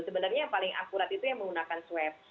sebenarnya yang paling akurat itu yang menggunakan swab